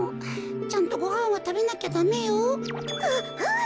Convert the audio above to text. ちゃんとごはんはたべなきゃダメよ。ははい！